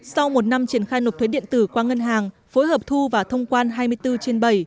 sau một năm triển khai nộp thuế điện tử qua ngân hàng phối hợp thu và thông quan hai mươi bốn trên bảy